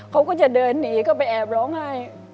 เขาก็จะเดินหนีก็ไปแอบร้องไห้